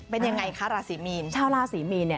เป็นยังไงคะราศีมีน